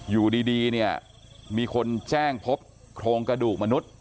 อยู่ดีเนี่ยมีคนแจ้งพบโครงกระดูกมนุษย์